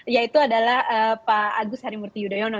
yaitu adalah pak agus harimurti yudhoyono